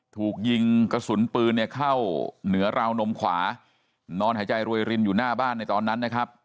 ถูกยิงกระสุนปืนเนี่ยเข้าเหนือราวนมขวานอนหายใจรวยรินอยู่หน้าบ้านในตอนนั้นนะครับ